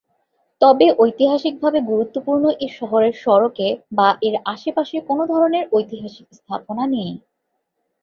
তবে ঐতিহাসিকভাবে গুরুত্বপূর্ণ এ শহরের সড়কে বা এর আশেপাশে কোনো ধরনের ঐতিহাসিক স্থাপনা নেই।